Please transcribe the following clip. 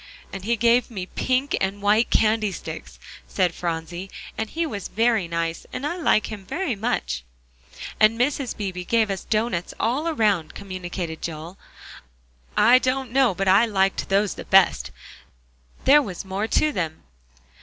"And he gave me pink and white candy sticks," said Phronsie, "and he was very nice; and I like him very much." "And Mrs. Beebe gave us doughnuts all around," communicated Joel; "I don't know but that I liked those best. There was more to them."